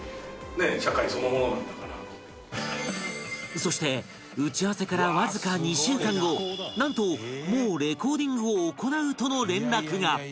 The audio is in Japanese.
そして打ち合わせからわずか２週間後なんともうレコーディングを行うとの連絡が！